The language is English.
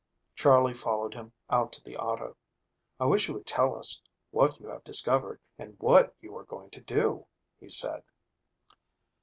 Charley followed him out to the auto. "I wish you would tell us what you have discovered and what you are going to do," he said.